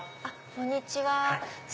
こんにちは。